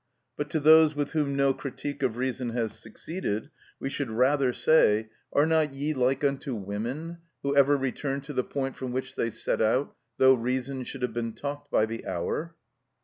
But to those with whom no critique of reason has succeeded, we should rather say— "Are not ye like unto women, who ever Return to the point from which they set out, Though reason should have been talked by the hour?"